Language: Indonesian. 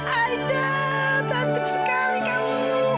aida cantik sekali kamu